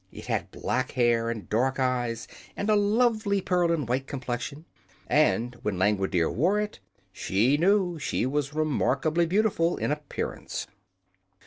It had black hair and dark eyes and a lovely pearl and white complexion, and when Langwidere wore it she knew she was remarkably beautiful in appearance.